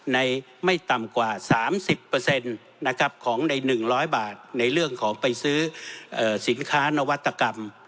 ไม่ต่ำกว่า๓๐ของใน๑๐๐บาทในเรื่องของไปซื้อสินค้านวัตกรรม